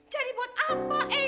jadi buat apa eyang